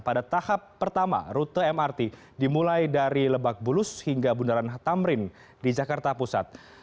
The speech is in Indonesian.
pada tahap pertama rute mrt dimulai dari lebak bulus hingga bundaran tamrin di jakarta pusat